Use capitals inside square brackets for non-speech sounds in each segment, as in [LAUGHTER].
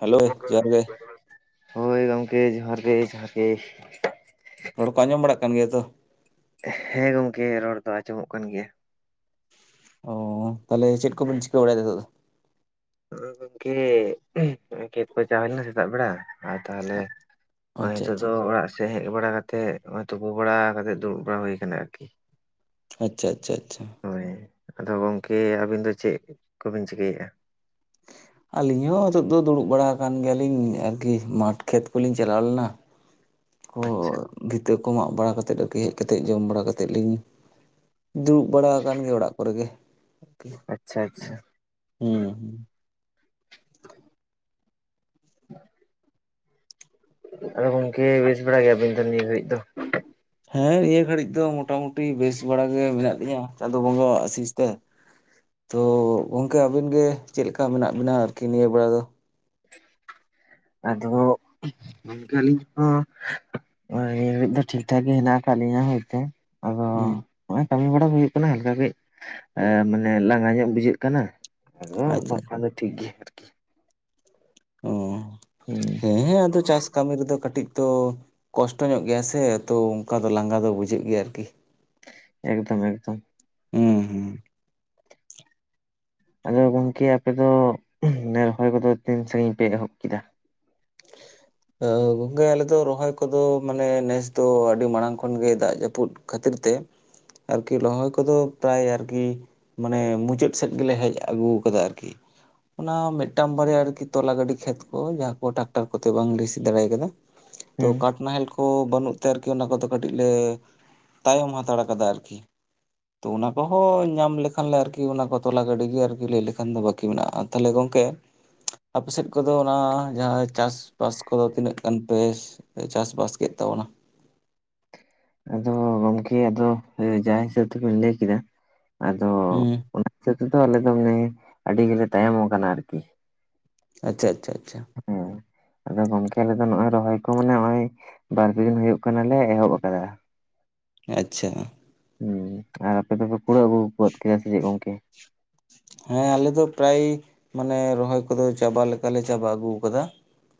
Hello ᱡᱚᱦᱟᱨ ᱜᱮ ᱾ ᱡᱚᱦᱟᱨ ᱜᱮ ᱾ ᱦᱳᱭ ᱜᱚᱢᱠᱮ ᱡᱚᱦᱟᱨ ᱜᱮ ᱡᱚᱦᱟᱨ ᱜᱮ ᱾ ᱨᱚᱲ ᱠᱚ ᱟᱸᱡᱚᱢ ᱵᱟᱲᱟᱜ ᱠᱟᱱ ᱜᱮᱭᱟ ᱛᱚ ᱾ ᱦᱮᱸ ᱜᱚᱝᱠᱮ ᱨᱚᱲ ᱫᱚ ᱟᱸᱡᱚᱢᱚᱜ ᱠᱟᱱ ᱜᱮᱭᱟ ᱾ ᱚᱻ ᱛᱟᱦᱚᱞᱮ ᱪᱮᱫ ᱠᱚᱵᱮᱱ ᱪᱤᱠᱟᱹ ᱵᱟᱲᱟ ᱮᱫᱟ ᱱᱤᱛᱚᱜ ᱫᱚ? ᱜᱚᱝᱠᱮ ᱠᱷᱮᱛ ᱠᱚ ᱪᱟᱣ ᱦᱩᱭ ᱞᱮᱱᱟ ᱥᱮᱛᱟᱜ ᱵᱮᱲᱟ ᱾ ᱟᱨ ᱛᱟᱦᱚᱞᱮ ᱱᱚᱜᱚᱭ ᱟᱪᱪᱷᱟ ᱱᱤᱛᱚᱜ ᱟᱪᱪᱷᱟ ᱫᱚ ᱚᱲᱟᱜ ᱥᱮᱫ ᱦᱮᱡ ᱵᱟᱲᱟ ᱠᱟᱛᱮ ᱱᱚᱜᱚᱭ ᱛᱩᱯᱩ ᱵᱟᱲᱟ ᱠᱟᱛᱮ ᱫᱩᱲᱩᱵ ᱵᱟᱲᱟ ᱦᱩᱭ ᱟᱠᱟᱱᱟ ᱟᱨᱠᱤ ᱾ ᱟᱪᱪᱷᱟ ᱟᱪᱪᱷᱟ ᱟᱪᱪᱷᱟ ᱾ ᱦᱳᱭ, ᱟᱫᱚ ᱜᱚᱝᱠᱮ ᱟᱹᱵᱤᱱ ᱫᱚ ᱪᱮᱫ ᱠᱚᱵᱤᱱ ᱪᱤᱠᱟᱹᱭᱮᱫ-ᱟ? ᱟᱹᱞᱤᱧ ᱦᱚᱸ ᱱᱤᱛᱚᱜ ᱫᱚ ᱫᱩᱲᱩᱵ ᱵᱟᱲᱟ ᱟᱠᱟᱱ ᱜᱮᱭᱟᱞᱤᱧ ᱟᱨᱠᱤ ᱢᱟᱴᱷ ᱠᱷᱮᱛ ᱠᱚᱞᱤᱧ ᱪᱟᱞᱟᱣ ᱞᱮᱱᱟ ᱾ ᱛᱚ ᱟᱪᱪᱷᱟ ᱵᱷᱤᱛᱟᱹ ᱠᱚ ᱢᱟᱜ ᱵᱟᱲᱟ ᱠᱟᱛᱮᱫ ᱟᱨᱠᱤ ᱦᱮᱡ ᱠᱟᱛᱮ ᱡᱚᱢ ᱵᱟᱲᱟ ᱠᱟᱛᱮᱫ ᱞᱤᱧ [INAUDIBLE] ᱫᱩᱲᱩᱵ ᱵᱟᱲᱟ ᱟᱠᱟᱱ ᱜᱮ ᱚᱲᱟᱜ ᱠᱚᱨᱮ ᱜᱮ ᱾ ᱟᱪᱪᱷᱟ ᱟᱪᱪᱷᱟ [INAUDIBLE] ᱦᱮᱸ ᱾ [INAUDIBLE] ᱟᱫᱚ ᱜᱚᱝᱠᱮ ᱵᱮᱥ ᱵᱟᱲᱟ ᱜᱮᱭᱟᱵᱤᱱ ᱱᱤᱭᱟᱹ ᱜᱷᱟᱹᱲᱤᱡ ᱫᱚ? ᱦᱮᱸ ᱱᱤᱭᱟᱹ ᱜᱷᱟᱹᱲᱤᱡ ᱫᱚ ᱢᱳᱚᱴᱟᱢᱩᱴᱤ ᱵᱮᱥ ᱵᱟᱲᱟ ᱜᱮ ᱢᱮᱱᱟᱜ ᱞᱤᱧᱟ ᱪᱟᱸᱫᱳ ᱵᱚᱸᱜᱟᱣᱟᱜ ᱟᱥᱤᱥ ᱛᱮ ᱾ ᱛᱚ ᱜᱚᱝᱠᱮ ᱟᱵᱤᱱ ᱜᱮ ᱪᱮᱫ ᱞᱮᱠᱟ ᱢᱮᱱᱟᱜ ᱵᱤᱱᱟ ᱟᱨᱠᱤ ᱱᱤᱭᱟᱹ ᱵᱮᱲᱟ ᱫᱚ? ᱟᱫᱷᱚ ᱜᱚᱝᱠᱮ ᱟᱹᱞᱤᱧ ᱦᱚᱸ ᱱᱤᱭᱟᱹ ᱜᱷᱟᱹᱲᱤᱡ ᱫᱚ ᱴᱷᱤᱠ ᱴᱷᱟᱠ ᱜᱮ ᱦᱮᱱᱟᱜ ᱟᱠᱟᱫ ᱞᱤᱧᱟ ᱦᱳᱭ ᱛᱳ ᱟᱫᱚ ᱦᱮᱸ ᱾ ᱱᱚᱜᱚᱭ ᱠᱟᱹᱢᱤ ᱵᱟᱲᱟ ᱦᱩᱭᱩᱜ ᱠᱟᱱᱟ ᱦᱟᱞᱠᱟ ᱠᱟᱹᱡ ᱢᱟᱱᱮ ᱞᱟᱸᱜᱟ ᱧᱚᱜ ᱵᱩᱡᱷᱟᱹᱜ ᱠᱟᱱᱟ ᱾ ᱦᱮ ᱟᱪᱪᱷᱟ ᱵᱟᱝᱠᱷᱟᱱ ᱫᱚ ᱴᱷᱤᱠ ᱜᱮᱭᱟ ᱾ ᱚ ᱦᱩᱸ ᱦᱮᱸ ᱦᱮᱸ ᱟᱫᱚ ᱪᱟᱥ ᱠᱟᱹᱢᱤ ᱨᱮᱫᱚ ᱠᱟᱹᱴᱤᱡ ᱛᱚ ᱠᱚᱥᱴᱚ ᱧᱚᱜ ᱜᱮᱭᱟ ᱥᱮ ᱛᱚ ᱚᱱᱠᱟ ᱫᱚ ᱞᱟᱸᱜᱟ ᱫᱚ ᱵᱩᱡᱷᱟᱹᱜ ᱜᱮᱭᱟ ᱟᱨᱠᱤ ᱾ ᱮᱠᱫᱚᱢ ᱮᱠᱫᱚᱢ ᱾ ᱦᱩᱸ ᱦᱩᱸ ᱾ [INAUDIBLE] ᱟᱫᱚ ᱜᱚᱝᱠᱮ ᱟᱯᱮ ᱫᱚ ᱨᱚᱦᱚᱭ ᱠᱚᱫᱚ ᱛᱤᱱ ᱥᱟᱹᱜᱤᱧ ᱯᱮ ᱮᱦᱚᱵ ᱠᱮᱫᱟ? [INAUDIBLE] ᱜᱚᱝᱠᱮ ᱟᱞᱮ ᱫᱚ ᱨᱚᱦᱚᱭ ᱠᱚᱫᱚ ᱢᱟᱱᱮ ᱱᱮᱥ ᱫᱚ ᱟᱹᱰᱤ ᱢᱟᱲᱟᱝ ᱠᱷᱚᱱᱜᱮ ᱫᱟᱜ ᱡᱟᱹᱯᱩᱫ ᱠᱷᱟᱹᱛᱤᱨ ᱛᱮ ᱟᱨᱠᱤ ᱨᱚᱦᱚᱭ ᱠᱚᱫᱚ ᱯᱨᱟᱭ ᱟᱨᱠᱤ ᱢᱟᱱᱮ ᱢᱩᱪᱟᱹᱫ ᱥᱮᱫ ᱜᱮᱞᱮ ᱦᱮᱡ ᱟᱹᱜᱩ ᱠᱟᱫᱟ ᱟᱨᱠᱤ ᱾ ᱚᱱᱟ ᱢᱤᱫᱴᱟᱝ ᱵᱟᱨᱭᱟ ᱟᱨᱠᱤ ᱛᱚᱞᱟ ᱜᱟᱹᱰᱤ ᱠᱷᱮᱛ ᱠᱚ ᱡᱟᱦᱟᱸ ᱠᱚ ᱴᱟᱠ ᱴᱟᱨ ᱠᱚᱛᱮ ᱵᱟᱝ ᱞᱮ ᱥᱤ ᱫᱟᱲᱮ ᱟᱠᱟᱫᱟ ᱛᱳ ᱦᱩᱸ ᱠᱟᱴ ᱱᱟᱦᱮᱞ ᱠᱚ ᱵᱟᱹᱱᱩᱜ ᱛᱮ ᱟᱨᱠᱤ ᱚᱱᱟ ᱠᱚᱫᱚ ᱠᱟᱹᱴᱤᱡ ᱞᱮ ᱛᱟᱭᱚᱢ ᱦᱟᱛᱟᱲ ᱠᱟᱫᱟ ᱟᱨᱠᱤ᱾ ᱛᱚ ᱚᱱᱟ ᱠᱚᱦᱚᱸ ᱧᱟᱢ ᱞᱮᱠᱷᱟᱱ ᱞᱮ ᱟᱨᱠᱤ ᱚᱱᱟ ᱠᱚ ᱛᱚᱞᱟ ᱜᱟᱹᱰᱤ ᱜᱮ ᱟᱨᱠᱤ ᱞᱟᱹᱭ ᱞᱮᱠᱷᱟᱱ ᱫᱚ ᱵᱟᱠᱤ ᱢᱮᱱᱟᱜ-ᱟ᱾ ᱟᱨ ᱛᱟᱦᱚᱞᱮ ᱜᱚᱝᱠᱮ ᱟᱯᱮ ᱥᱮᱜ ᱠᱚᱫᱚ ᱚᱱᱟ ᱡᱟᱦᱟᱸ ᱪᱟᱥ ᱵᱟᱥ ᱠᱚᱫᱚ ᱛᱤᱱᱟᱹᱜ ᱜᱟᱱ ᱯᱮ ᱪᱟᱥ ᱵᱟᱥ ᱠᱮᱜ ᱛᱟᱵᱚᱱᱟ? ᱟᱫᱚ ᱜᱚᱝᱠᱮ ᱟᱫᱚ ᱮ ᱡᱟᱦᱟ ᱦᱤᱥᱟᱹᱵ ᱛᱮᱵᱤᱱ ᱞᱟᱹᱭ ᱠᱮᱫᱟ, ᱟᱫᱚ ᱩᱸ ᱚᱱᱟ ᱦᱤᱥᱟᱹᱵ ᱛᱮᱫᱚ ᱟᱞᱮ ᱫᱚ ᱢᱟᱱᱮ ᱟᱹᱰᱤ ᱜᱮᱞᱮ ᱛᱟᱭᱚᱢ ᱟᱠᱟᱱᱟ ᱟᱨᱠᱤ᱾ ᱟᱪᱪᱷᱟ ᱟᱪᱪᱷᱟ ᱟᱪᱪᱷᱟ᱾ ᱦᱮᱸ ᱟᱫᱚ ᱜᱚᱝᱠᱮ ᱟᱞᱮᱫᱚ ᱱᱚᱜᱭ ᱨᱚᱦᱚᱭ ᱠᱚ ᱢᱟᱱᱮ ᱚᱭ ᱵᱟᱨ ᱯᱮ ᱫᱤᱱ ᱦᱩᱭᱩᱜ ᱠᱟᱱᱟᱞᱮ ᱮᱦᱚᱵ ᱠᱟᱫᱟ᱾ ᱟᱪᱪᱷᱟ᱾ ᱦᱩ ᱟᱨ ᱟᱯᱮ ᱫᱚᱯᱮ ᱯᱩᱲᱟᱹᱣ ᱟᱹᱜᱩ ᱜᱚᱫ ᱠᱮᱜᱟ ᱥᱮᱥᱮᱜ ᱜᱚᱝᱠᱮ? ᱦᱮᱸ ᱟᱞᱮ ᱫᱚ ᱯᱨᱟᱭ ᱢᱟᱱᱮ ᱨᱚᱦᱚᱭ ᱠᱚᱫᱚ ᱪᱟᱵᱟ ᱞᱮᱠᱟᱞᱮ ᱪᱟᱵᱟ ᱟᱹᱜᱩ ᱟᱠᱟᱫᱟ᱾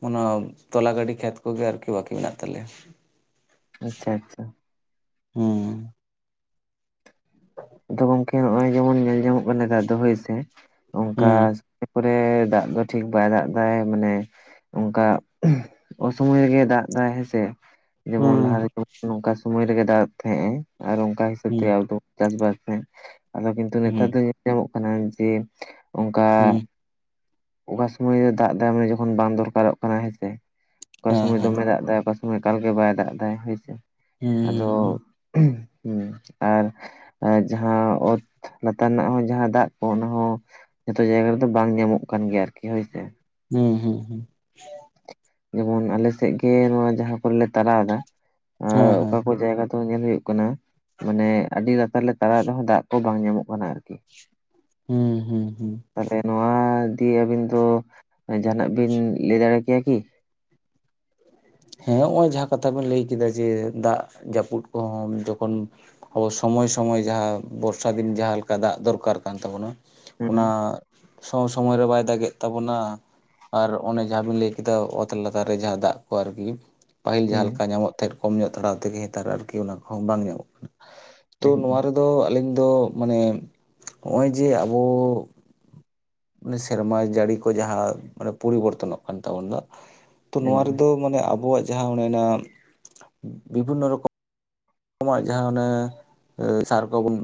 ᱚᱱᱟ ᱛᱚᱞᱟ ᱜᱟᱹᱰᱤ ᱠᱷᱮᱛ ᱠᱚᱜᱮ ᱟᱨᱠᱤ ᱵᱟᱠᱤ ᱢᱮᱱᱟᱜ ᱛᱟᱞᱮᱭᱟ᱾ ᱟᱪᱪᱷᱟ ᱟᱪᱪᱷᱟ᱾ ᱦᱩᱸ᱾ ᱟᱫᱚ ᱜᱚᱝᱠᱮ ᱱᱚᱜᱚᱭ ᱡᱮᱢᱚᱱ ᱧᱮᱞ ᱧᱟᱢᱚᱜ ᱠᱟᱱᱟ ᱱᱮᱛᱟᱨ ᱫᱚ ᱦᱳᱭ ᱥᱮ, ᱚᱝᱠᱟ ᱦᱩᱸ ᱯᱚᱨᱮ ᱫᱟᱜ ᱫᱚ ᱴᱷᱤᱠ ᱵᱟᱭ ᱫᱟᱜ ᱮᱫᱟᱭ ᱢᱟᱱᱮ ᱚᱝᱠᱟ ᱚᱥᱚᱢᱚᱭ ᱨᱮᱜᱮ ᱫᱟᱜ ᱮᱫᱟᱭ ᱦᱮᱸᱥᱮ᱾ ᱡᱮᱢᱚᱱ ᱞᱟᱦᱟ ᱦᱩᱸ ᱨᱮᱠᱚ ᱱᱚᱝᱠᱟ ᱥᱩᱢᱟᱹᱭ ᱨᱮᱜᱮ ᱫᱟᱜ ᱛᱟᱦᱮᱸᱜ ᱮ ᱟᱨ ᱚᱝᱠᱟ ᱦᱤᱥᱟᱹᱵ ᱦᱩᱸ ᱛᱮᱜᱮ ᱟᱵᱚ ᱪᱟᱥ ᱵᱟᱥ ᱨᱮ ᱟᱫᱚ ᱠᱤᱱᱛᱩ ᱱᱮᱛᱟᱨ ᱦᱩᱸ ᱫᱚ ᱧᱮᱞ ᱧᱟᱢᱚᱜ ᱠᱟᱱᱟ ᱡᱮ ᱚᱝᱠᱟ ᱦᱩᱸ ᱚᱠᱟ ᱥᱩᱢᱟᱹᱭ ᱨᱮ ᱫᱟᱜ ᱫᱟᱜᱢᱟᱲᱤ ᱡᱚᱠᱷᱚᱱ ᱵᱟᱝ ᱫᱚᱨᱠᱟᱨᱚᱜ ᱠᱟᱱᱟ ᱦᱮᱸᱥᱮ, ᱚᱠᱟ ᱦᱮᱸ ᱥᱚᱢᱟᱹᱭ ᱦᱮᱸ ᱫᱚᱢᱮ ᱫᱟᱜ ᱮᱫᱟᱭ ᱚᱠᱟ ᱮᱠᱟᱞ ᱜᱮ ᱵᱟᱭ ᱫᱟᱜ ᱮᱫᱟᱭ ᱦᱳᱭᱥᱮ, ᱦᱩᱸ ᱦᱩᱸ ᱟᱫᱚ ᱦᱩᱸ ᱟᱨ ᱟᱨ ᱡᱟᱦᱟᱸ ᱚᱛ ᱞᱟᱛᱟᱨ ᱨᱮᱱᱟᱜ ᱦᱚᱸ ᱡᱟᱦᱟᱸ ᱫᱟᱜ ᱠᱚ ᱚᱱᱟ ᱦᱚᱸ ᱡᱚᱛᱚ ᱡᱟᱭᱜᱟ ᱨᱮᱫᱚ ᱵᱟᱝ ᱧᱟᱢᱚᱜ ᱠᱟᱱ ᱜᱮᱭᱟ ᱟᱨᱠᱤ ᱦᱳᱭᱥᱮ᱾ ᱦᱩᱸ ᱦᱩᱸ᱾ ᱡᱮᱢᱚᱱ ᱟᱞᱮ ᱥᱮᱜ ᱜᱮ ᱱᱚᱣᱟ ᱡᱟᱦᱟᱸ ᱠᱚᱨᱮᱞᱮ ᱛᱟᱨᱟᱣ ᱮᱫᱟ ᱦᱮᱸ ᱟᱜ ᱚᱠᱟ ᱦᱮᱸ ᱠᱚ ᱡᱟᱭᱜᱟ ᱫᱚ ᱧᱮᱞ ᱦᱩᱭᱩᱜ ᱠᱟᱱᱟ ᱢᱟᱱᱮ ᱟᱹᱰᱤ ᱞᱟᱛᱟᱨ ᱞᱮ ᱛᱟᱲᱟᱣᱮᱜ ᱨᱮᱦᱚᱸ ᱫᱟᱜ ᱠᱚ ᱵᱟᱝ ᱧᱟᱢᱚᱜ ᱠᱟᱱᱟ ᱟᱨᱠᱤ᱾ ᱦᱩᱸ ᱦᱩᱸ ᱦᱩᱸ ᱛᱟᱞᱮ ᱱᱚᱣᱟ ᱫᱤ ᱟᱹᱵᱤᱱ ᱫᱚ ᱡᱟᱦᱟᱸᱱᱟᱜ ᱵᱤᱱ ᱞᱟᱹᱭ ᱫᱟᱲᱮ ᱠᱮᱭᱟ ᱠᱤ? ᱦᱮᱸ ᱦᱚᱜᱚᱭ ᱡᱟᱦᱟᱸ ᱠᱟᱛᱷᱟ ᱵᱤᱱ ᱞᱟᱹᱭ ᱠᱮᱫᱟ ᱡᱮ, ᱫᱟᱜ ᱡᱟᱹᱯᱩᱫ ᱠᱚᱦᱚᱸ ᱡᱚᱠᱷᱚᱱ ᱟᱵᱚ ᱥᱚᱢᱚᱭ ᱥᱚᱢᱚᱭ ᱡᱟᱦᱟᱸ ᱵᱚᱨᱥᱟ ᱫᱤᱱ ᱡᱟᱦᱟᱸ ᱞᱮᱠᱟ ᱫᱟᱜ ᱫᱚᱨᱠᱟᱨ ᱠᱟᱱ ᱛᱟᱵᱚᱱᱟ, ᱦᱮᱸ ᱚᱱᱟ ᱥᱚ ᱥᱚᱢᱚᱭ ᱨᱮ ᱵᱟᱭ ᱫᱟᱜᱮᱜ ᱛᱟᱵᱚᱱᱟ᱾ ᱟᱨ ᱚᱱᱮ ᱡᱟᱦᱟᱸᱵᱤᱱ ᱞᱟᱹᱭ ᱠᱮᱫᱟ ᱚᱛ ᱞᱟᱛᱟᱨ ᱨᱮ ᱡᱟᱦᱟᱸ ᱫᱟᱜ ᱠᱚ ᱟᱨᱠᱤ, ᱯᱟᱹᱦᱤᱞ ᱡᱟᱦᱟᱸ ᱦᱮᱸ ᱞᱮᱠᱟ ᱧᱟᱢᱚᱜ ᱛᱮᱫ ᱠᱚᱢ ᱧᱚᱜ ᱛᱷᱟᱲᱟᱣ ᱛᱮᱜᱮ ᱱᱮᱛᱟᱨ ᱟᱨᱠᱤ ᱚᱱᱟ ᱠᱚᱦᱚᱸ ᱵᱟᱝ ᱧᱟᱢᱚᱜ ᱠᱟᱱᱟ, ᱛᱳ ᱱᱚᱣᱟ ᱮᱠᱫᱚᱢ ᱨᱮ ᱫᱚ ᱟᱹᱞᱤᱧ ᱫᱚ ᱢᱟᱱᱮ ᱦᱚᱜᱚᱭ ᱡᱮ ᱟᱵᱚ ᱥᱮᱨᱢᱟ ᱡᱟᱹᱲᱤ ᱠᱚ ᱡᱟᱦᱟᱸ ᱢᱟᱱᱮ ᱯᱚᱨᱤᱵᱚᱨᱛᱚᱱᱚᱜ ᱠᱟᱱ ᱛᱟᱵᱳ ᱫᱚ, ᱛᱚ ᱱᱚᱣᱟ ᱮᱠᱫᱚᱢ ᱨᱮᱫᱚ ᱢᱟᱱᱮ ᱟᱵᱚᱣᱟᱜ ᱡᱟᱦᱟᱸ ᱚᱱᱮᱱᱟ, ᱵᱤᱵᱷᱤᱱᱱᱚ ᱨᱚᱠᱚᱢ ᱠᱚᱢᱟᱜ ᱡᱟᱦᱟᱸ ᱚᱱᱮ ᱥᱟᱨ ᱠᱚᱵᱩᱱ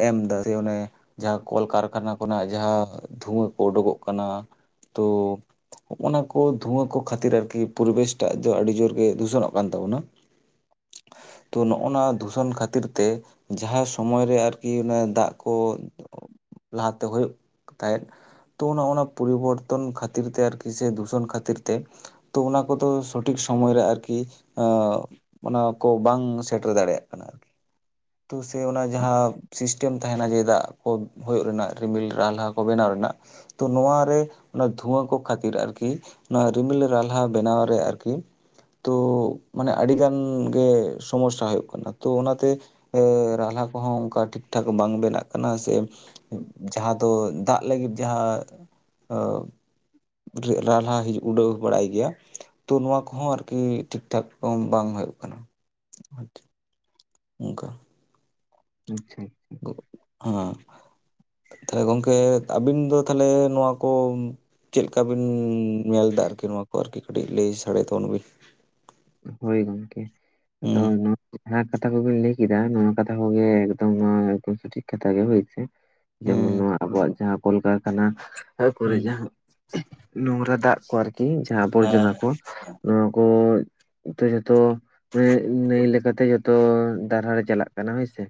ᱮᱢ ᱫᱟ ᱥᱮ ᱚᱱᱮ ᱡᱟᱦᱟᱸ ᱠᱚᱞᱠᱟᱨᱠᱷᱟᱱᱟ ᱠᱷᱚᱱᱟᱜ ᱡᱟᱦᱟᱸ ᱛᱷᱩᱣᱟᱹ ᱠᱚ ᱳᱰᱳᱠᱚᱜ ᱠᱟᱱᱟ, ᱛᱚ ᱦᱚᱜᱚᱱᱟ ᱠᱚ ᱫᱷᱩᱣᱟᱹ ᱠᱚ ᱠᱷᱟᱹᱛᱤᱨ ᱟᱨᱠᱤ ᱯᱩᱨᱮᱵᱮᱥ ᱴᱟᱜ ᱫᱚ ᱟᱹᱰᱤ ᱡᱳᱨ ᱜᱮ ᱫᱷᱩᱥᱚᱱᱚᱜ ᱠᱟᱱ ᱛᱟᱵᱚᱱᱟ᱾ ᱛᱚ ᱱᱚᱜ ᱚᱱᱟ ᱫᱩᱥᱚᱱ ᱠᱷᱟᱹᱛᱤᱨ ᱛᱮ ᱡᱟᱦᱟᱸ ᱥᱩᱢᱚᱭ ᱨᱮ ᱟᱨᱠᱤ ᱚᱱᱮ ᱫᱟᱜ ᱠᱚ ᱞᱟᱦᱟᱛᱮ ᱦᱳᱭᱳᱜ ᱛᱟᱦᱮᱸᱫ᱾ ᱛᱚ ᱚᱱᱟ ᱚᱱᱟ ᱯᱚᱨᱤᱵᱚᱨᱛᱚᱱ ᱠᱷᱟᱹᱛᱤᱨ ᱛᱮ ᱟᱨᱠᱤ ᱥᱮ ᱫᱩᱥᱚᱱ ᱠᱷᱟᱹᱛᱤᱨ ᱛᱮ, ᱛᱚ ᱚᱱᱟ ᱠᱚᱫᱚ ᱥᱚᱴᱷᱤᱠ ᱥᱚᱢᱚᱭ ᱨᱮ ᱟᱨᱠᱤ ᱚᱱᱟ ᱠᱚ ᱵᱟᱝ ᱥᱮᱴᱮᱨ ᱫᱟᱲᱮᱭᱟᱜ ᱠᱟᱱᱟ ᱟᱨᱠᱤ ᱛᱚ ᱥᱮ ᱚᱱᱟ ᱡᱟᱦᱟᱸ ᱥᱤᱥᱴᱮᱢ ᱛᱟᱦᱮᱱᱟ ᱡᱮ ᱫᱟᱜ ᱠᱚ ᱦᱩᱭᱳᱜ ᱨᱮᱱᱟᱜ ᱨᱤᱢᱤᱞ ᱨᱟᱦᱞᱟ ᱠᱚ ᱵᱮᱱᱟᱣ ᱨᱮᱱᱟᱜ ᱛᱚ ᱱᱚᱣᱟᱨᱮ ᱚᱱᱟ ᱫᱷᱩᱣᱟᱹ ᱠᱚ ᱠᱷᱟᱹᱛᱤᱨ ᱟᱨᱠᱤ, ᱱᱚᱣᱟ ᱨᱤᱢᱤᱞ ᱨᱟᱞᱦᱟ ᱵᱮᱱᱟᱣ ᱨᱮ ᱟᱨᱠᱤ ᱛᱚ ᱢᱟᱱᱮ ᱟᱹᱰᱤᱜᱟᱱ ᱜᱮ, ᱥᱚᱢᱚᱥᱥᱟ ᱦᱩᱭᱩᱜ ᱠᱟᱱᱟ ᱛᱚ ᱚᱱᱟᱛᱮ ᱨᱟᱦᱞᱟ ᱠᱚᱦᱚᱸ ᱚᱱᱠᱟ ᱴᱷᱤᱠ ᱠᱷᱟᱠ ᱵᱟᱝ ᱵᱮᱱᱟᱜ ᱠᱟᱱᱟ ᱥᱮ, ᱡᱟᱦᱟᱸ ᱫᱚ ᱫᱟᱜ ᱞᱟᱹᱜᱤᱫ ᱡᱟᱦᱟᱸ ᱨᱟᱦᱞᱟ ᱦᱤᱡᱩᱜ ᱩᱰᱟᱹᱣ ᱵᱟᱲᱟᱭ ᱜᱮᱭᱟ᱾ ᱛᱚ ᱱᱚᱣᱟ ᱠᱚᱦᱚᱸ ᱟᱨᱠᱤ ᱴᱷᱤᱠ ᱴᱷᱟᱠ ᱵᱟᱝ ᱦᱩᱭᱩᱜ ᱠᱟᱱᱟ᱾ ᱚᱱᱠᱟ᱾ ᱟᱪᱷᱟ ᱟᱪᱷᱟ᱾ ᱦᱚᱸ᱾ ᱛᱟᱦᱚᱞᱮ ᱜᱚᱢᱠᱮ ᱟᱹᱵᱤᱱ ᱫᱚ ᱛᱟᱦᱚᱞᱮ ᱱᱚᱣᱟ ᱠᱚ ᱪᱮᱫᱠᱟ ᱵᱤᱱ ᱧᱮᱞ ᱮᱫᱟ ᱟᱨᱠᱤ ᱱᱚᱣᱟ ᱠᱚ ᱟᱨᱠᱤ ᱠᱟᱹᱴᱤᱡ ᱞᱟᱹᱭ ᱥᱟᱰᱮ ᱛᱟᱵᱚᱱᱵᱤᱱ᱾ ᱦᱳᱭ ᱜᱚᱢᱠᱮ ᱾ ᱟᱫᱚ ᱦᱩᱸ ᱱᱚᱣᱟ ᱡᱟᱦᱟᱸ ᱠᱟᱛᱷᱟ ᱠᱚᱵᱤᱱ ᱞᱟᱹᱭ ᱠᱮᱫᱟ ᱱᱚᱶᱟ ᱠᱟᱛᱷᱟ ᱠᱚᱜᱮ ᱮᱠᱫᱚᱢ ᱱᱚᱶᱟ ᱮᱠᱫᱚᱢ ᱥᱚᱴᱷᱤᱠ ᱠᱟᱛᱷᱟ ᱜᱮ ᱦᱳᱭ ᱥᱮ ᱡᱮᱢᱚᱱ ᱦᱩᱸ ᱱᱚᱣᱟ ᱟᱵᱚᱣᱟᱜ ᱡᱟᱦᱟᱸ ᱠᱚᱞᱠᱟᱨᱠᱷᱟᱱᱟ ᱠᱚᱨᱮ ᱦᱩᱸ ᱡᱟᱦᱟᱸ ᱱᱚᱝᱨᱟ ᱫᱟᱜ ᱠᱚ ᱟᱨᱠᱤ ᱡᱟᱦᱟᱸ ᱟᱵᱚᱨᱡᱚᱱᱟ ᱦᱮᱸ ᱠᱚ ᱱᱚᱣᱟᱠᱩ, ᱛᱚ ᱡᱚᱛᱚ ᱢᱮ ᱱᱟᱹᱭ ᱞᱮᱠᱟᱛᱮ ᱡᱚᱛᱚ ᱫᱟᱨᱦᱟᱨᱮ ᱪᱟᱞᱟᱜ ᱠᱟᱱᱟ ᱦᱳᱭᱥᱮ᱾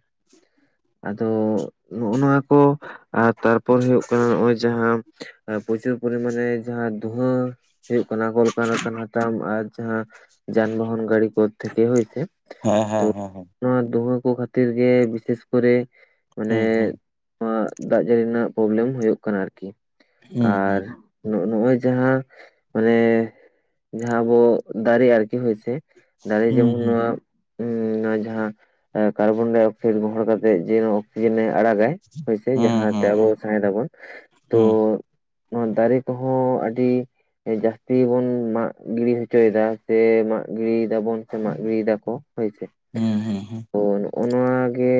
ᱟᱫᱚ ᱱᱚᱜᱚ ᱱᱚᱣᱟ ᱠᱚ᱾ ᱟᱨ ᱛᱟᱨᱯᱚᱨ ᱦᱩᱭᱩᱜ ᱠᱟᱱᱟ ᱱᱚᱜᱼᱚᱭ ᱡᱟᱦᱟᱸ ᱯᱨᱚᱪᱩᱨ ᱯᱚᱨᱤᱢᱟᱱᱮ ᱡᱟᱦᱟᱸ ᱫᱷᱩᱦᱟᱹ᱾ [INAUDIBLE] ᱦᱩᱭᱩᱜ ᱠᱟᱱᱟ ᱠᱚᱠᱟ ᱞᱮᱠᱟ ᱛᱟᱢ ᱟᱨ ᱡᱟᱦᱟᱸ, ᱡᱟᱱ ᱵᱟᱦᱚᱱ ᱜᱟᱲᱤ ᱠᱚᱚᱫᱷ ᱦᱩᱭ ᱥᱮ ᱦᱮᱸ ᱦᱮᱸ ᱛᱚ, ᱦᱮᱸ ᱦᱮᱸ ᱱᱚᱣᱟ ᱫᱩᱦᱟᱹ ᱠᱚ ᱠᱷᱟᱹᱛᱤᱨ ᱜᱮ ᱵᱤᱥᱮᱥ ᱠᱚᱨᱮ ᱢᱟᱱᱮ ᱦᱩᱸ ᱦᱩᱸ ᱱᱚᱣᱟ ᱫᱟᱜ ᱡᱟᱹᱲᱤ ᱨᱮᱱᱟᱜ ᱯᱨᱚᱵᱞᱮᱢ ᱦᱩᱭᱩᱜ ᱠᱟᱱᱟ ᱟᱨᱠᱤ ᱦᱩᱸ ᱟᱨ ᱦᱩᱸ ᱱᱚᱜ ᱚᱚᱭ ᱡᱟᱦᱟᱸ ᱢᱟᱱᱮ ᱡᱟᱦᱟᱸ ᱟᱵᱚ ᱫᱟᱨᱮ ᱟᱨᱠᱤ ᱦᱚᱳᱭᱥᱮ᱾ ᱫᱟᱨᱮ ᱦᱩᱸ ᱦᱩᱸ ᱡᱮᱢᱚᱱ ᱦᱩᱸ ᱱᱚᱣᱟ᱾ ᱱᱚᱣᱟ ᱡᱟᱦᱟᱸ ᱠᱟᱨᱵᱚᱱᱰᱟᱭ ᱚᱠᱥᱟᱭᱤᱰ ᱢᱚᱦᱚᱲ ᱠᱟᱛᱮᱜ ᱡᱮ ᱱᱚᱣᱟ ᱚᱠᱥᱤᱡᱮᱱ ᱮ ᱟᱲᱟᱜᱟᱭ᱾ ᱦᱳᱭᱥᱮ ᱦᱩᱸ ᱦᱩᱸ ᱡᱟᱦᱟᱸᱛᱮ ᱦᱩᱸ ᱟᱵᱚ ᱥᱟᱣᱦᱮᱫ ᱫᱟᱵᱚᱱ ᱛᱚ, ᱦᱩᱸ ᱱᱚᱣᱟ ᱫᱟᱨᱮ ᱠᱚᱦᱚᱸ ᱟᱹᱰᱤ ᱡᱟᱹᱥᱛᱤ ᱵᱚᱱ ᱢᱟᱜ ᱜᱤᱰᱤ ᱦᱚᱪᱚᱭᱮᱫᱟ᱾ ᱥᱮ ᱢᱟᱜ ᱜᱤᱲᱤᱭ ᱫᱟᱵᱚᱱ ᱥᱮ ᱢᱟᱜ ᱜᱤᱰᱤᱭ ᱫᱟᱠᱚ ᱦᱳᱭᱥᱮ᱾ ᱦᱩᱸ ᱦᱩᱸ ᱦᱩᱸ ᱛᱚ ᱱᱚᱜᱼᱚᱣᱟ ᱜᱮ,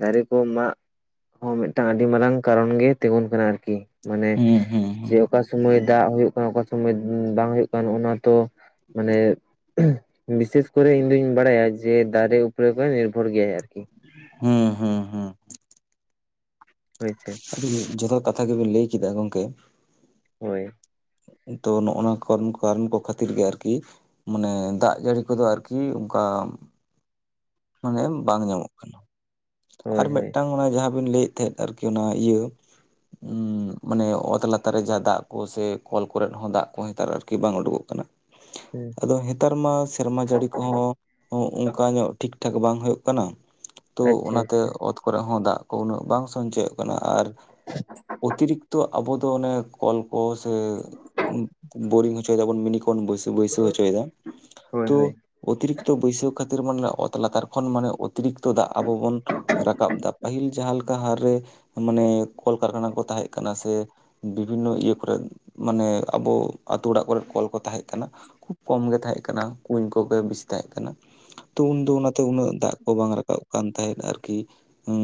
ᱫᱟᱨᱮ ᱠᱚ ᱢᱟᱜ ᱦᱚᱸ ᱢᱤᱫᱴᱟᱝ ᱟᱹᱰᱤ ᱢᱟᱨᱟᱝ ᱠᱟᱨᱚᱱ ᱜᱮ ᱛᱤᱸᱜᱩᱱ ᱠᱟᱱᱟ ᱟᱨᱠᱤ᱾ ᱢᱟᱱᱮ ᱡᱮ ᱚᱠᱟ ᱥᱩᱢᱟᱹᱭ ᱫᱟᱜᱳᱜ ᱠᱟᱱ ᱚᱠᱟ ᱥᱩᱢᱟᱹᱭ ᱵᱟᱝ ᱦᱳᱜ ᱠᱟᱱ ᱚᱱᱟ ᱛᱚ ᱢᱟᱱᱮ, ᱵᱤᱥᱮᱥ ᱠᱚᱨᱮ ᱤᱧ ᱫᱩᱧ ᱵᱟᱲᱟᱭᱟ ᱡᱮ ᱫᱟᱨᱮ ᱩᱯᱚᱨ ᱠᱚ ᱱᱤᱨᱵᱷᱚᱨ ᱜᱮᱭᱟᱭ ᱟᱨᱠᱤ᱾ ᱦᱩᱸ ᱦᱩᱸ ᱦᱩᱸ᱾ ᱦᱳᱭᱥᱮ᱾ ᱟᱹᱰᱤ ᱡᱚᱛᱷᱟᱛ ᱠᱟᱛᱷᱟ ᱜᱮᱵᱮᱱ ᱞᱟᱹᱭ ᱠᱮᱫᱟ ᱜᱚᱢᱠᱮ᱾ ᱦᱳᱭ᱾ ᱛᱚ ᱱᱚᱜ ᱱᱚᱣᱟ ᱠᱟᱨᱚᱱ ᱠᱚ ᱠᱷᱟᱹᱛᱤᱨ ᱜᱮ ᱟᱨᱠᱤ, ᱢᱟᱱᱮ ᱫᱟᱜ ᱡᱟᱹᱲᱤ ᱠᱚᱫᱚ ᱟᱨᱠᱤ ᱚᱱᱠᱟ ᱢᱟᱱᱮ ᱵᱟᱝ ᱧᱟᱢᱚᱜ ᱠᱟᱱᱟ ᱦᱳᱭ ᱟᱨ ᱦᱳᱭ ᱢᱤᱫᱴᱟᱝ ᱚᱱᱟ ᱡᱟᱦᱟᱸ ᱵᱤᱱ ᱞᱟᱹᱭᱮᱫ ᱛᱟᱦᱮᱸᱫ ᱟᱨᱠᱤ ᱚᱱᱟ ᱤᱭᱟᱹ ᱢᱟᱱᱮ ᱚᱛ ᱞᱟᱛᱟᱨ ᱨᱮ ᱡᱟ ᱫᱟᱜ ᱠᱚ ᱥᱮ ᱠᱚᱞ ᱠᱚᱨᱮᱮᱫ ᱦᱚᱸ ᱫᱟᱜ ᱠᱚ ᱦᱟᱮᱛᱟᱨ ᱟᱨᱠᱤ ᱵᱟᱝ ᱩᱰᱩᱠᱚᱜ ᱠᱟᱱᱟ᱾ [UNINTELLIGIBLE] ᱦᱩᱸ᱾ ᱟᱫᱚ ᱦᱸᱮᱛᱟᱨ ᱢᱟ ᱥᱮᱨᱢᱟ ᱡᱟᱹᱲᱤ ᱠᱚᱦᱚᱸ ᱚᱝᱠᱟ ᱧᱚᱜ ᱴᱷᱤᱠ ᱴᱷᱟᱠ ᱵᱟᱝ ᱦᱳᱭᱩᱳᱜ ᱠᱟᱱᱟ᱾ ᱛᱚ ᱟᱪᱪᱷᱟ ᱚᱱᱟᱛᱮ ᱟᱪᱪᱷᱟ ᱚᱛ ᱠᱚᱨᱮ ᱦᱚᱸ ᱫᱟᱜ ᱠᱚ ᱩᱱᱟᱹᱜ ᱵᱟᱝ ᱥᱚᱧᱪᱚᱭᱚᱜ ᱠᱟᱱᱟ ᱟᱨ᱾ ᱚᱛᱤᱨᱤᱠᱛᱚ ᱟᱵᱚ ᱫᱚ ᱚᱱᱮ᱾ ᱠᱚᱞᱠᱚ ᱥᱮ ᱵᱳᱨᱤᱝ ᱦᱚᱪᱚᱭ ᱫᱟᱵᱚᱱ ᱢᱤᱱᱤ ᱠᱚᱱ ᱵᱟᱹᱭ ᱵᱟᱹᱭᱥᱟᱹᱣ ᱦᱚᱪᱚᱭᱫᱟ ᱦᱳᱭ ᱦᱳᱭ ᱛᱚ ᱚᱛᱤᱨᱤᱠᱛᱚ ᱵᱟᱹᱭᱥᱟᱹᱣ ᱠᱷᱟᱛᱤᱨ ᱢᱟᱱᱮ ᱚᱛ᱾ ᱛᱚ ᱞᱟᱛᱟᱨ ᱠᱷᱚᱱ ᱢᱟᱱᱮ ᱚᱛᱤᱨᱤᱠᱛᱚ ᱫᱟᱜ ᱟᱵᱚ ᱵᱚᱱ᱾ ᱨᱟᱠᱟᱵ ᱫᱟ ᱯᱟᱹᱦᱤᱞ ᱡᱟᱸᱦᱟ ᱞᱮᱠᱟ ᱦᱟᱨ ᱨᱮ ᱢᱟᱱᱮ ᱠᱚᱞᱠᱟᱨᱠᱷᱟᱱᱟ ᱠᱚ ᱛᱟᱸᱦᱮᱜ ᱠᱟᱱᱟ ᱥᱮ᱾ ᱵᱤᱵᱷᱤᱱᱱᱚ ᱤᱭᱟᱹ ᱠᱚᱨᱮᱫ ᱢᱟᱱᱮ ᱟᱵᱚ ᱟᱛᱳ ᱚᱲᱟᱜ ᱠᱚᱨᱮᱫ ᱠᱚᱞ ᱠᱚ ᱛᱟᱸᱦᱮᱜ ᱠᱟᱱᱟ᱾ ᱠᱷᱩᱵ ᱠᱚᱢᱜᱮ ᱛᱟᱸᱦᱮᱜ ᱠᱟᱱᱟ ᱠᱩᱧ ᱠᱚᱜᱮ ᱵᱤᱥᱤ ᱛᱟᱸᱦᱮᱜ ᱠᱟᱱᱟ ᱛᱚ ᱩᱱᱫᱚ ᱚᱱᱟ ᱛᱮ ᱩᱱᱟᱹᱜ ᱫᱟᱜ ᱠᱚ ᱵᱟᱝ ᱨᱟᱠᱟᱵ ᱠᱟᱱ ᱛᱟᱸᱦᱮᱫ ᱟᱨᱠᱤ ᱩᱸ᱾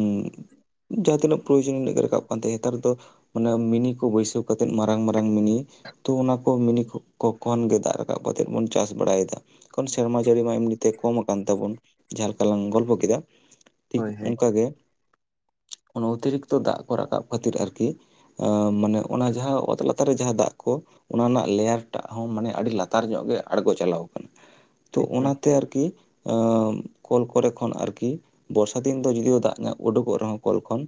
ᱡᱟᱸᱦᱟ ᱛᱤᱱᱟᱹᱜ ᱯᱨᱚᱭᱳᱡᱚᱱ ᱤᱱᱟᱹᱜ ᱜᱮ ᱨᱟᱠᱟᱵ ᱠᱟᱱ ᱛᱟᱸᱦᱮᱜ ᱱᱮᱛᱟᱨ ᱫᱚ ᱢᱟᱱᱮ ᱢᱤᱱᱤ ᱠᱚ ᱵᱟᱹᱭᱥᱟᱹᱣ᱾ ᱠᱟᱛᱮᱫ ᱢᱟᱨᱟᱝ ᱢᱟᱨᱟᱝ ᱢᱮᱱᱤ ᱛᱚ ᱚᱱᱟ ᱠᱚ ᱢᱮᱱᱤ ᱠᱚ᱾ ᱠᱚ ᱠᱷᱚᱱ ᱜᱮ ᱫᱟᱜ ᱨᱟᱠᱟᱵ ᱠᱟᱛᱮᱫ ᱵᱚᱱ ᱪᱟᱥ ᱵᱟᱲᱟᱭᱫᱟ ᱮᱠᱷᱚᱱ ᱥᱮᱨᱢᱟ ᱡᱟᱹᱲᱤ ᱢᱟ ᱮᱢᱱᱤᱛᱮ ᱠᱚᱢ ᱟᱠᱟᱱ ᱛᱟᱵᱚᱱ᱾ ᱡᱟᱸᱦᱟ ᱞᱮᱠᱟ ᱞᱟᱝ ᱜᱚᱞᱯᱷᱚ ᱠᱮᱫᱟ ᱴᱷᱤᱠ ᱦᱳᱭ ᱦᱳᱭ ᱚᱝᱠᱟᱜᱮ᱾ ᱚᱱᱟ ᱚᱛᱤᱨᱤᱠᱛᱚ ᱫᱟᱜ ᱠᱚ ᱨᱟᱠᱟᱵ ᱠᱷᱟᱹᱛᱤᱨ ᱟᱨᱠᱤ᱾ ᱟᱸ ᱢᱟᱱᱮ ᱚᱱᱟ ᱡᱟᱸᱦᱟ ᱚᱛ ᱞᱟᱛᱟᱨ ᱨᱮ ᱡᱟᱸᱦᱟ ᱫᱟᱜ ᱠᱚ᱾ ᱚᱱᱟ ᱨᱮᱱᱟᱜ ᱞᱮᱭᱟᱨ ᱴᱟᱜ ᱦᱚᱸ ᱢᱟᱱᱮ ᱟᱰᱤ ᱞᱟᱛᱟᱨ ᱧᱚᱜ ᱜᱮ ᱟᱸᱬᱜᱚ ᱪᱟᱞᱟᱣ ᱠᱟᱱᱟ᱾ ᱛᱚ ᱮᱠᱫᱚᱢ ᱚᱱᱟᱛᱮ ᱟᱨᱠᱤ ᱟᱻᱢ᱾ ᱠᱚᱞ ᱠᱚᱨᱮ ᱠᱷᱚᱱ ᱟᱨᱠᱤ ᱵᱚᱨᱥᱟ ᱫᱤᱱ ᱫᱚ ᱡᱩᱫᱤᱳ ᱫᱟᱜ ᱧᱟ ᱩᱰᱩᱠᱚᱜ ᱨᱮᱦᱚᱸ ᱠᱚᱞ ᱠᱷᱚᱱ᱾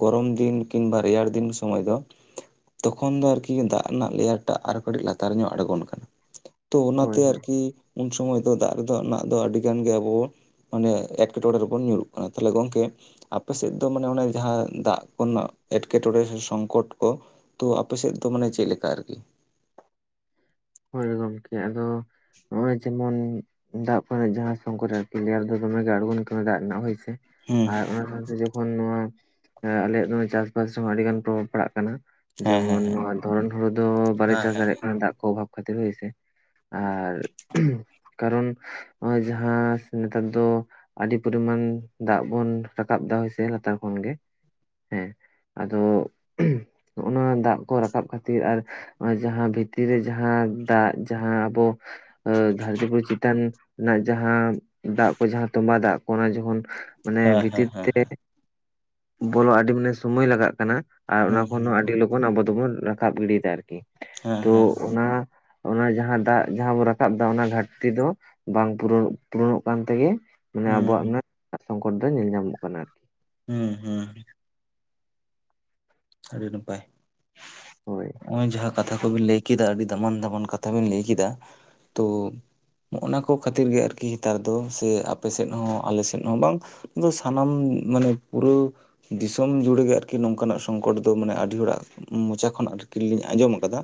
ᱜᱚᱨᱚᱢ ᱫᱤᱱ ᱠᱤᱝᱵᱟ ᱨᱮᱭᱟᱲ ᱫᱤᱱ ᱥᱚᱢᱚᱭ ᱫᱚ᱾ ᱛᱚᱠᱷᱚᱱ ᱫᱚ ᱟᱨᱠᱤ ᱫᱟᱜ ᱨᱮᱱᱟᱜ ᱞᱮᱭᱟᱨ ᱴᱟᱜ ᱟᱨᱚ ᱠᱟᱴᱤᱜ ᱞᱟᱛᱟᱨ ᱧᱚᱜ ᱟᱸᱬᱜᱚᱱ ᱠᱟᱱᱟ᱾ ᱛᱚ ᱦᱳᱭ ᱚᱱᱟᱛᱮ ᱦᱳᱭ ᱟᱨᱠᱤ ᱩᱱ ᱥᱚᱢᱚᱭ ᱫᱚ ᱫᱟᱜ ᱨᱮᱫᱚ ᱨᱮᱱᱟᱜ ᱫᱚ ᱟᱹᱰᱤ ᱜᱟᱱ ᱜᱮ ᱟᱵᱚ᱾ ᱢᱟᱱᱮ ᱮᱸᱴᱠᱮᱴᱚᱸᱬᱮ ᱨᱮᱵᱚᱱ ᱧᱩᱨᱩᱜ ᱠᱟᱱᱟ ᱛᱟᱦᱞᱮ ᱜᱚᱝᱠᱮ᱾ ᱟᱯᱮ ᱥᱮᱜ ᱫᱚ ᱢᱟᱱᱮ ᱚᱱᱮ ᱡᱟᱸᱦᱟ ᱫᱟᱜ ᱠᱚᱨᱮᱱᱟᱜ ᱮᱸᱴᱠᱮᱴᱚᱸᱬᱮ ᱥᱮ ᱥᱚᱝᱠᱚᱴ ᱠᱚ᱾ ᱛᱚ ᱟᱯᱮᱥᱮᱫ ᱫᱚ ᱢᱟᱱᱮ ᱪᱮᱜ ᱞᱮᱠᱟ ᱟᱨᱠᱤ᱾ ᱦᱳᱭ ᱜᱚᱝᱠᱮ ᱟᱫᱚ᱾ ᱱᱚᱜ ᱚᱭ ᱡᱮᱢᱚᱱ ᱫᱟᱜ ᱠᱚᱨᱮᱱᱟᱜ ᱡᱟᱸᱦᱟ ᱥᱚᱝᱠᱚᱴ ᱟᱨᱠᱤ ᱞᱮᱭᱟᱨ ᱫᱚ ᱫᱚᱢᱮ ᱜᱮ ᱟᱬᱜᱳᱱ ᱠᱟᱱᱟ ᱫᱟᱜ ᱨᱮᱱᱟᱜ ᱦᱳᱭ ᱥᱮ᱾ ᱦᱩᱸ ᱟᱨ ᱚᱱᱟ ᱥᱟᱶᱛᱮ ᱡᱚᱠᱷᱚᱱ ᱱᱚᱣᱟ ᱟᱞᱮᱭᱟᱜ ᱫᱚ ᱪᱟᱥᱵᱟᱥ ᱨᱮᱦᱚᱸ ᱟᱰᱤ ᱜᱟᱱ ᱯᱨᱚᱵᱷᱟᱵᱽ ᱯᱟᱲᱟᱜ ᱠᱟᱱᱟ᱾ ᱦᱮᱸ ᱦᱮᱸ ᱡᱮᱢᱚᱱ ᱦᱮᱸ ᱱᱚᱣᱟ ᱫᱷᱚᱨᱚᱱ ᱦᱩᱲᱩ ᱫᱚ ᱵᱟᱞᱮ ᱦᱮᱸ ᱪᱟᱥ ᱫᱟᱲᱮᱭᱟᱜ ᱠᱟᱱᱟ ᱫᱟᱜ ᱠᱚ ᱚᱵᱷᱟᱵᱽ ᱠᱷᱟᱹᱛᱤᱨ ᱦᱳᱭᱥᱮ᱾ ᱟᱨ ᱠᱟᱨᱚᱱ ᱱᱚᱜ-ᱚᱭ ᱡᱟᱸᱦᱟ ᱱᱮᱛᱟᱨ ᱫᱚ᱾ ᱟᱰᱤ ᱯᱚᱨᱤᱢᱟᱱ ᱫᱟᱜ ᱵᱚᱱ ᱨᱟᱠᱟᱵ ᱫᱟ ᱦᱳᱭᱥᱮ ᱞᱟᱛᱟᱨ ᱠᱷᱚᱱ ᱜᱮ ᱦᱮᱸ᱾ ᱟᱫᱚ ᱱᱚᱜ ᱱᱚᱣᱟ ᱫᱟᱜ ᱠᱚ ᱨᱟᱠᱟᱵ ᱠᱷᱟᱛᱤᱨ ᱟᱨ ᱚᱸᱜ-ᱚᱭ ᱡᱟᱸᱦᱟ ᱵᱷᱤᱛᱤᱨ ᱨᱮ ᱡᱟᱸᱦᱟ᱾ ᱦᱟᱸ ᱫᱟᱜ ᱡᱟᱸᱦᱟ ᱟᱵᱚ ᱫᱷᱟᱨᱛᱤ ᱯᱩᱨᱤ ᱪᱮᱛᱟᱱ ᱨᱮᱱᱟᱜ ᱡᱟᱸᱦᱟ᱾ ᱫᱟᱜ ᱠᱚ ᱡᱟᱸᱦᱟ ᱛᱚᱢᱵᱟ ᱫᱟᱜ ᱠᱚ ᱚᱱᱟ ᱡᱚᱠᱷᱚᱱ ᱢᱟᱱᱮ ᱦᱮᱸ ᱦᱮᱸ ᱦᱮᱸ ᱵᱷᱤᱛᱤᱨ ᱦᱮᱸ ᱛᱮ᱾ ᱵᱚᱞᱚᱜ ᱟᱰᱤ ᱢᱟᱱᱮ ᱥᱳᱢᱳᱭ ᱞᱟᱜᱟᱜ ᱠᱟᱱᱟ ᱟᱨ ᱚᱱᱟ ᱦᱮᱸ ᱠᱷᱚᱱ ᱦᱚᱸ ᱟᱰᱤ ᱞᱚ ᱩᱱ ᱟᱵᱚ ᱫᱚᱵᱚᱱ ᱨᱟᱠᱟᱵ ᱜᱤᱰᱤᱭᱫᱟ ᱟᱨᱠᱤ᱾ ᱦᱮᱸ ᱛᱚ ᱦᱮᱸ᱾ ᱚᱱᱟ ᱚᱱᱟ ᱡᱟᱸᱦᱟ ᱫᱟᱜ ᱡᱟᱸᱦᱟ ᱵᱩ ᱨᱟᱠᱟᱵ ᱫᱟ ᱚᱱᱟ ᱜᱷᱟᱴᱛᱤ ᱫᱚ᱾ ᱵᱟᱝ ᱯᱩᱨᱟᱹᱣ ᱯᱩᱨᱚᱱᱚᱜ ᱠᱟᱱ ᱛᱮᱜᱮ ᱢᱟᱱᱮ ᱟᱵᱚᱣᱟᱜ ᱦᱮᱸ ᱚᱱᱟ ᱥᱚᱝᱠᱚᱴ ᱫᱚ ᱧᱮᱞ ᱧᱟᱢᱚᱜ ᱠᱟᱱᱟ ᱟᱨᱠᱤ᱾ ᱦᱩᱸ ᱦᱩᱸ᱾ ᱟᱹᱰᱤ ᱱᱟᱯᱟᱭ ᱦᱳᱭ ᱚᱸᱜ-ᱚᱭ ᱡᱟᱸᱦᱟ᱾ ᱠᱟᱛᱷᱟ ᱠᱚᱵᱤᱱ ᱞᱟᱹᱭ ᱠᱮᱫᱟ ᱟᱹᱰᱤ ᱫᱟᱢᱟᱱ ᱫᱟᱢᱟᱱ ᱠᱟᱛᱷᱟ ᱵᱤᱱ ᱞᱟᱹᱭ ᱠᱮᱫᱟ ᱛᱳ᱾ ᱱᱚᱜ-ᱱᱟ ᱠᱚ ᱠᱷᱟᱹᱛᱤᱨ ᱜᱮ ᱟᱨᱠᱤ ᱦᱮᱸᱛᱟᱨ ᱫᱚ ᱥᱮ ᱟᱯᱮ ᱥᱮᱫ ᱦᱚᱸ ᱟᱞᱮ ᱥᱮᱫ ᱦᱚᱸ ᱵᱟᱝ᱾ ᱫᱚ ᱥᱟᱱᱟᱢ ᱢᱟᱱᱮ ᱯᱩᱨᱟᱹᱣ ᱫᱤᱥᱚᱢ ᱡᱩᱲᱮ ᱜᱮ ᱟᱨᱠᱤ ᱱᱚᱝᱠᱟᱱᱟᱜ᱾ ᱥᱚᱝᱠᱚᱴ ᱫᱚ ᱢᱟᱱᱮ ᱟᱹᱰᱤ ᱦᱚᱲᱟᱜ ᱢᱚᱪᱟ ᱠᱷᱚᱱ ᱟᱨᱠᱤ ᱞᱤᱧ ᱟᱸᱡᱚᱢ ᱟᱠᱟᱫᱟ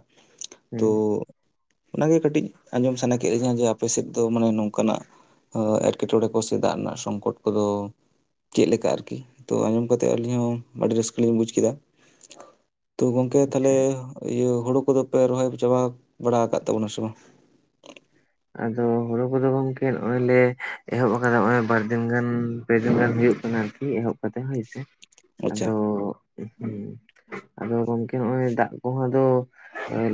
ᱦᱮᱸ ᱛᱳ ᱚᱱᱟᱜᱮ ᱠᱟᱹᱴᱤᱡ ᱟᱸᱡᱚᱢ ᱥᱟᱱᱟ ᱠᱮᱫ ᱞᱤᱧᱟᱹ ᱡᱮ ᱟᱯᱮ ᱥᱮᱫ ᱫᱚ ᱢᱟᱱᱮ ᱱᱚᱝᱠᱟᱱᱟᱜ ᱮᱴᱠᱮᱴᱚᱬᱮ ᱠᱚ ᱥᱮ ᱫᱟᱜ ᱨᱮᱱᱟᱜ ᱥᱚᱝᱠᱚᱴ ᱠᱚᱫᱚ ᱪᱮᱫ ᱞᱮᱠᱟ ᱟᱨᱠᱤ ᱛᱚ ᱟᱸᱡᱚᱢ ᱠᱟᱛᱮᱫ ᱟᱹᱞᱤᱧ ᱦᱚᱸ ᱟᱹᱰᱤ ᱨᱟᱹᱥᱠᱟᱹ ᱞᱤᱧ ᱵᱩᱡ ᱠᱮᱫᱟ᱾ ᱛᱚ ᱜᱚᱝᱠᱮ ᱛᱟᱦᱚᱞᱮ ᱤᱭᱟᱹ ᱦᱩᱲᱩ ᱠᱚᱫᱚ ᱯᱮ ᱨᱚᱦᱚᱭ ᱪᱟᱵᱟ ᱵᱟᱲᱟ ᱟᱠᱟᱫ ᱛᱟᱵᱚᱱᱟ ᱥᱮ ᱵᱟᱝ- ᱟᱫᱚ ᱦᱩᱲᱩ ᱠᱚᱫᱚ ᱜᱚᱝᱠᱮ ᱱᱚᱜ-ᱚᱭ ᱞᱮ ᱮᱦᱚᱵ ᱟᱠᱟᱫᱟ ᱱᱚᱜ-ᱚᱭ ᱵᱟᱨᱫᱤᱱ ᱜᱟᱱ- ᱯᱮ ᱫᱤᱱ ᱜᱟᱱ ᱦᱩᱭᱩᱜ ᱠᱟᱱᱟ ᱟᱨᱠᱤ ᱮᱦᱚᱵ ᱠᱟᱛᱮᱫ ᱦᱳᱭᱥᱮ ᱟᱪᱪᱷᱟ ᱟᱫᱚ- ᱦᱮᱸ ᱟᱫᱚ ᱜᱚᱝᱠᱮ ᱱᱚᱜ-ᱚᱭ ᱫᱟᱜ ᱠᱚᱦᱚᱸ ᱟᱫᱚ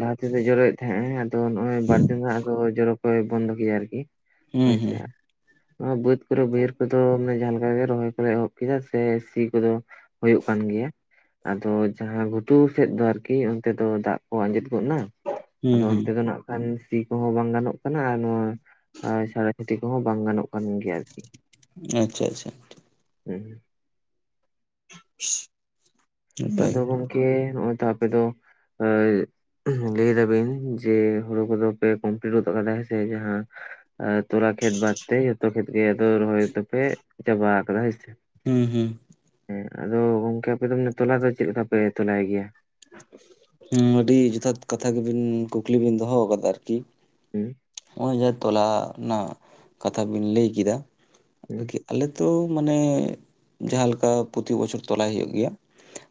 ᱞᱟᱦᱟ ᱛᱮᱫᱚ ᱡᱚᱨᱮᱫ ᱦᱮᱸ ᱟᱫᱚ ᱱᱚᱜ-ᱚᱭ ᱵᱟᱨ ᱫᱤᱱ ᱟᱫᱚ ᱡᱚᱨᱚ ᱠᱚᱭ ᱵᱚᱱᱫᱚ ᱠᱮᱫᱭᱟ ᱟᱨᱠᱤ ᱦᱩᱸ ᱦᱳᱭ ᱥᱮ ᱦᱩᱸ ᱦᱟᱜ ᱵᱟᱹᱫᱽ ᱠᱚᱨᱮ ᱵᱟᱹᱭᱦᱟᱹᱲ ᱠᱚᱫᱚ ᱢᱟᱱᱮ ᱡᱟᱦᱟᱸ ᱞᱮᱠᱟᱜᱮ ᱨᱚᱦᱚᱭ ᱠᱚᱫᱞᱮ ᱮᱦᱚᱵ ᱠᱮᱫᱟ ᱥᱮ ᱥᱤ ᱠᱚᱫᱚ ᱦᱩᱭᱩᱜ ᱠᱟᱱ ᱜᱮᱭᱟ᱾ ᱟᱫᱚ ᱡᱟᱦᱟᱸ ᱜᱷᱩᱴᱩ ᱥᱮᱫ ᱫᱚ ᱟᱨᱠᱤ ᱚᱱᱛᱮ ᱫᱚ ᱫᱟᱜ ᱠᱚ ᱟᱸᱡᱮᱫ ᱜᱚᱫ ᱮᱱᱟ- ᱦᱩᱸ ᱟᱫᱚ ᱦᱩᱸ ᱚᱱᱛᱮ ᱫᱚ ᱱᱟᱜ ᱠᱷᱟᱱ ᱥᱤ ᱠᱚᱦᱚᱸ ᱵᱟᱝ ᱜᱟᱱᱚᱜ-ᱟ᱾ ᱠᱟᱱᱟ ᱱᱚᱣᱟ ᱪᱟᱲᱟ ᱪᱷᱩᱴᱤ ᱠᱚᱦᱚᱸ ᱵᱟᱝ ᱜᱟᱱᱚᱜ ᱠᱟᱱ ᱜᱮᱭᱟ ᱟᱨᱠᱤ ᱟᱪᱪᱷᱟ ᱟᱪᱪᱷᱟ ᱦᱚᱸ ᱱᱟᱯᱟᱭ ᱟᱫᱚ ᱜᱮ ᱜᱚᱝᱠᱮ ᱱᱚᱜ-ᱚᱭ ᱛᱚ ᱟᱯᱮ ᱫᱚ ᱮ ᱞᱟᱹᱭ ᱫᱟᱵᱤᱱ ᱡᱮ ᱦᱩᱲᱩ ᱠᱚᱫᱚ ᱯᱮ ᱠᱚᱢᱯᱞᱤᱴ ᱜᱚᱫ ᱠᱟᱫᱟ ᱦᱮ ᱥᱮ ᱡᱟᱦᱟᱸ ᱛᱚᱨᱟ ᱠᱷᱮᱛ ᱵᱟᱫᱛᱮ ᱡᱚᱛᱚ ᱠᱷᱮᱛ ᱜᱮ ᱟᱫᱚ ᱨᱚᱦᱚᱭ ᱛᱚ ᱯᱮ ᱪᱟᱵᱟ ᱟᱠᱟᱫᱟ ᱦᱮ ᱥᱮ- ᱦᱩᱸ ᱦᱩᱸ ᱦᱮᱸ ᱟᱫᱚ ᱜᱚᱝᱠᱮ ᱟᱯᱮ ᱫᱚ ᱛᱚᱞᱟ ᱫᱚ ᱪᱮᱫ ᱞᱮᱠᱟ ᱯᱮ ᱛᱚᱞᱟᱭ ᱜᱮᱭᱟ? ᱦᱩᱸ ᱟᱹᱰᱤ ᱡᱚᱛᱷᱟᱛ ᱠᱟᱛᱷᱟ ᱜᱮᱵᱤᱱ ᱠᱩᱠᱞᱤ ᱵᱤᱱ ᱫᱚᱦᱚ ᱟᱠᱟᱫᱟ ᱟᱨᱠᱤ ᱦᱮᱸ ᱱᱚᱜ-ᱚᱭ ᱡᱟᱦᱟᱸ ᱛᱚᱞᱟ ᱨᱮᱱᱟᱜ ᱠᱟᱛᱷᱟ ᱵᱤᱱ ᱞᱟᱹᱭ ᱠᱮᱫᱟ᱾ ᱦᱩᱸ ᱟᱨᱠᱤ ᱟᱞᱮ ᱫᱚ ᱢᱟᱱᱮ ᱡᱟᱦᱟᱸ ᱞᱮᱠᱟ ᱯᱨᱚᱛᱤ ᱵᱚᱪᱷᱚᱨ ᱛᱚᱞᱟᱭ ᱦᱩᱭᱩᱜ ᱜᱮᱭᱟ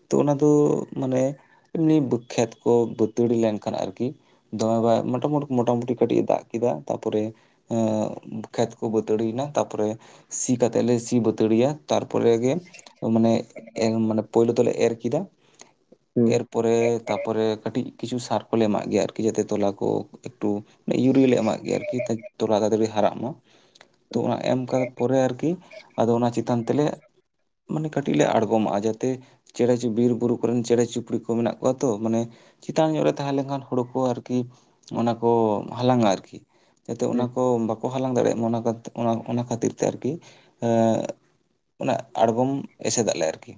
ᱛᱚ ᱚᱱᱟ ᱫᱚ ᱢᱟᱱᱮ ᱮᱢᱱᱤ ᱠᱷᱮᱛ ᱠᱚ ᱵᱟᱹᱛᱟᱹᱲᱤ ᱞᱮᱱᱠᱷᱟᱱ ᱟᱨᱠᱤ ᱫᱚᱢᱮ ᱵᱟᱨ ᱢᱚᱴᱟᱢᱩ ᱢᱚᱴᱟ ᱢᱩᱴᱤ ᱠᱟᱹᱴᱤᱡ ᱮ ᱫᱟᱜ ᱠᱮᱫᱟ ᱛᱟᱨᱯᱚᱨᱮ- ᱮ ᱠᱷᱮᱛ ᱠᱚ ᱵᱟᱹᱛᱟᱹᱲᱤᱭᱮᱱᱟ ᱛᱟᱯᱚᱨᱮ ᱥᱤ ᱠᱟᱛᱮᱜ ᱞᱮ ᱥᱤ ᱵᱟᱹᱛᱟᱹᱲᱤᱭᱟ ᱛᱟᱨᱯᱚᱨᱮ ᱜᱮ ᱢᱟᱱᱮ ᱢᱟᱱᱮ ᱯᱳᱭᱞᱳ ᱫᱚᱞᱮ ᱮᱨ ᱠᱮᱫᱟ ᱦᱩᱸ ᱮᱨ ᱛᱟᱯᱚᱨᱮ ᱠᱟᱹᱴᱤᱡ ᱠᱤᱪᱷᱩ ᱥᱟᱨ ᱠᱚ ᱞᱮ ᱮᱢᱟᱜ ᱜᱮᱭᱟ ᱟᱨᱠᱤ ᱡᱟᱛᱮ ᱛᱚᱞᱟ ᱠᱚ ᱮᱠᱴᱩ ᱤᱭᱩᱨᱤᱭᱟᱹ ᱞᱮ ᱮᱢᱟᱜ ᱮᱢᱟᱜ ᱜᱮᱭᱟ ᱟᱨᱠᱤ ᱛᱚᱞᱟ ᱛᱟᱛᱟᱹᱲᱤ ᱦᱟᱨᱟᱜ ᱢᱟ ᱛᱚ ᱚᱱᱟ ᱮᱢ ᱠᱟ ᱯᱚᱨᱮ ᱟᱨᱠᱤ ᱟᱫᱚ ᱚᱱᱟ ᱪᱮᱛᱟᱱ ᱛᱮᱞᱮ- ᱢᱟᱱᱮ ᱠᱟᱹᱴᱤᱡ ᱞᱮ ᱟᱬᱜᱚᱢᱟᱜ-ᱟ ᱡᱟᱛᱮ ᱪᱮᱬᱮ ᱪᱩ ᱵᱤᱨ-ᱵᱩᱨᱩ ᱠᱚᱨᱮᱱ ᱪᱮᱬᱮ ᱪᱩᱯᱲᱤ ᱠᱚ ᱢᱮᱱᱟᱜ ᱠᱚᱣᱟ ᱛᱚ ᱢᱟᱱᱮ ᱪᱮᱛᱟᱱ ᱧᱚᱜ ᱨᱮ ᱛᱟᱦᱮᱸᱞᱮᱱᱠᱷᱟᱱ ᱦᱳᱲᱩ ᱠᱚ ᱟᱨᱠᱤ ᱚᱱᱟᱠᱚ ᱦᱟᱞᱟᱝ-ᱟ ᱟᱨᱠᱤ ᱡᱟᱛᱮ ᱚᱱᱟ ᱠᱚ ᱵᱟᱠᱚ ᱦᱟᱞᱟᱝ ᱫᱟᱲᱮᱭᱟᱜ ᱢᱟ ᱚᱱᱟ ᱚᱱᱟ ᱠᱷᱟᱹᱛᱤᱨ ᱛᱮ ᱟᱨᱠᱤ ᱮᱸ ᱚᱱᱟ ᱟᱬᱜᱚᱢ ᱮᱥᱮᱫᱟᱜ ᱞᱮ ᱟᱨᱠᱤ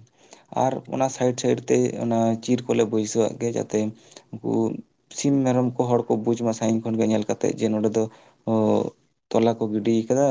ᱟᱨ ᱚᱱᱟ ᱥᱟᱭᱤᱰ ᱥᱟᱭᱤᱰ ᱛᱮ ᱚᱱᱟ ᱪᱤᱨ ᱠᱚᱞᱮ ᱵᱟᱹᱭᱥᱟᱹᱣᱟᱜ ᱜᱮ ᱡᱟᱛᱮ ᱩᱱᱠᱩ ᱥᱤᱢ ᱢᱮᱨᱚᱢ ᱠᱚ ᱦᱚᱲ ᱠᱚ ᱵᱩᱡ ᱢᱟ ᱥᱟᱺᱜᱤᱧ ᱠᱷᱚᱱ ᱜᱮ ᱧᱮᱞ ᱠᱟᱛᱮ ᱛᱮᱫ ᱡᱮ ᱱᱚᱸᱰᱮ ᱫᱚ ᱛᱚᱞᱟ ᱠᱚ ᱜᱤᱰᱤ ᱟᱠᱟᱫᱟ᱾